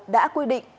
đã quy định